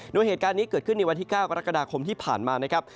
โดยเหตุการณ์นี้เกิดขึ้นในวันที่๙กรกฎาคมที่ผ่านมานะครับ